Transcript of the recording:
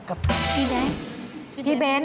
กับพี่แบงค์